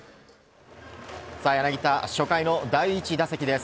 柳田、初回の第１打席です。